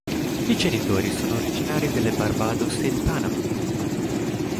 I genitori sono originari delle Barbados e di Panama.